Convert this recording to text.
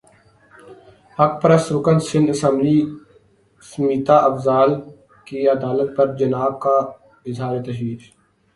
حق پرست رکن سندھ اسمبلی سمیتا افضال کی علالت پر جناب کا اظہار تشویش